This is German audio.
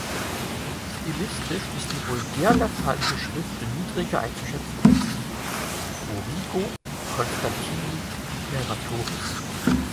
Stilistisch ist die vulgär-lateinische Schrift niedriger einzuschätzen als die "Origo Constantini Imperatoris".